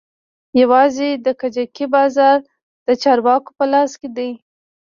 يوازې د کجکي بازار د چارواکو په لاس کښې دى.